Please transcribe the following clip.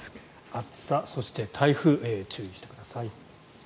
暑さ、そして台風注意してください。